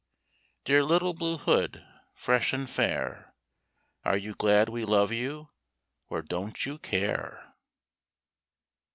Dear Little Blue Hood fresh and fair, Are you glad we love you, or don't you care?